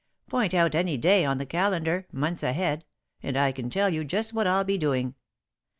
Point out any day on the calendar, months ahead, and I can tell you just what I'll be doing.